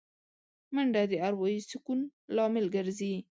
منډه د اروايي سکون لامل ګرځي